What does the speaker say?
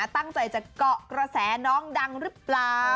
ตั้งใจจะเกาะกระแสน้องดังหรือเปล่า